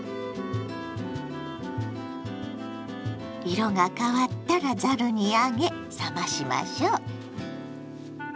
色が変わったらざるに上げ冷ましましょう。